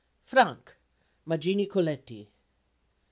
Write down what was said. Frank MAGINI COLETTI.